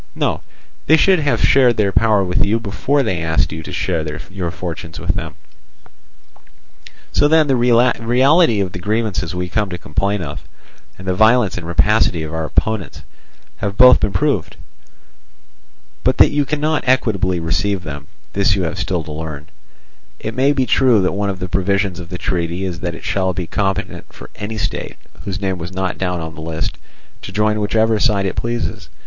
No, they should have shared their power with you before they asked you to share your fortunes with them. "So then the reality of the grievances we come to complain of, and the violence and rapacity of our opponents, have both been proved. But that you cannot equitably receive them, this you have still to learn. It may be true that one of the provisions of the treaty is that it shall be competent for any state, whose name was not down on the list, to join whichever side it pleases.